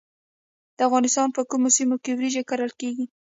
د افغانستان په کومو سیمو کې وریجې کرل کیږي؟